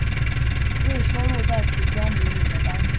未收录在其专辑里的单曲